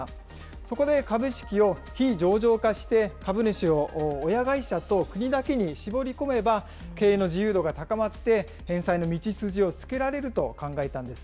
そこで株式を非上場化して、株主を親会社と国だけに絞り込めば、経営の自由度が高まって、返済の道筋をつけられると考えたんです。